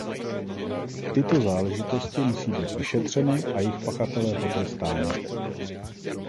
Tyto záležitosti musí být vyšetřeny a jejich pachatelé potrestáni.